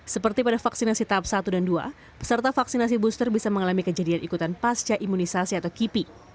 seperti pada vaksinasi tahap satu dan dua peserta vaksinasi booster bisa mengalami kejadian ikutan pasca imunisasi atau kipi